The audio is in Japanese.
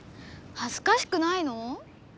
はずかしくないの？